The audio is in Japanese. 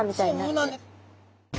そうなんです。